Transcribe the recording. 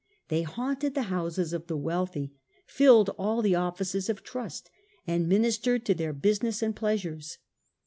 They haunted the houses of the wealthy, filled all the offices of trust, and ministered to their business and pleasures.